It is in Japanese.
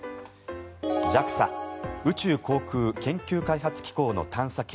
ＪＡＸＡ・宇宙航空研究開発機構の探査機